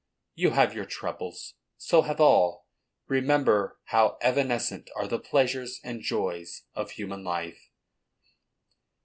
You have your troubles. So have all. Remember how evanescent are the pleasures and joys of human life."